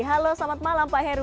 halo selamat malam pak heru